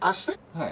はい。